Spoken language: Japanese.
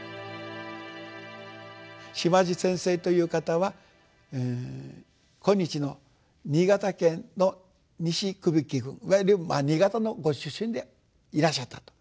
島地先生という方は今日の新潟県の西頚城郡いわゆるまあ新潟のご出身でいらっしゃったと。